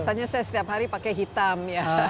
saya setiap hari pakai hitam